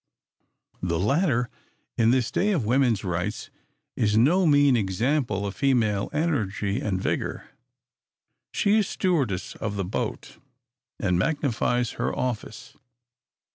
This latter, in this day of woman's rights, is no mean example of female energy and vigor. She is stewardess of the boat, and magnifies her office.